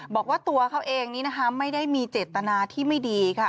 บอกว่าตัวเขาเองนี้นะคะไม่ได้มีเจตนาที่ไม่ดีค่ะ